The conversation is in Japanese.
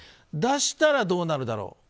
出したらどうなるだろう。